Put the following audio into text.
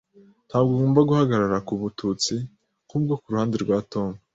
Ntabwo ngomba guhagarara kubututsi nkubwo kuruhande rwa Tom.